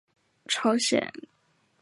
朝鲜高宗第七子。